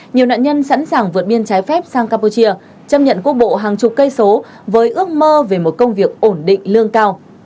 nhiều nạn nhân sẵn sàng vượt biên trái phép sang campuchia chấp nhận quốc bộ hàng chục cây số với ước mơ về một công việc ổn định lương cao